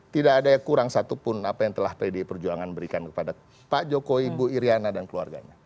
tidak ada yang kurang satupun apa yang telah pdi perjuangan berikan kepada pak jokowi bu iryana dan keluarganya